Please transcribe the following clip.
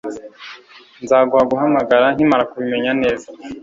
Nzaguha guhamagara nkimara kubimenya neza.